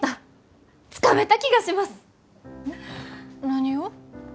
何を？